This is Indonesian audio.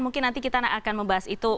mungkin nanti kita akan membahas itu